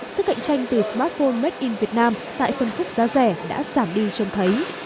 sức cạnh tranh từ smartphone made in việt nam tại phần khúc giá rẻ đã giảm đi trông thấy